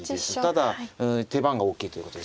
ただ手番が大きいということですね。